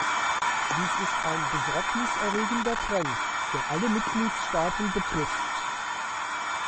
Dies ist ein Besorgnis erregender Trend, der alle Mitgliedstaaten betrifft.